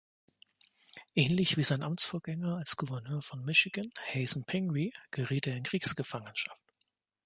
Ähnlich wie sein Amtsvorgänger als Gouverneur von Michigan, Hazen Pingree, geriet er in Kriegsgefangenschaft.